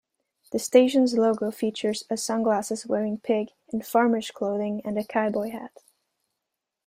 The station's logo features a sunglasses-wearing pig in farmer's clothing and a cowboy hat.